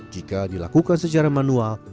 jika dilakukan secara manual